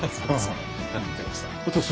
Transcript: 何て言ってました？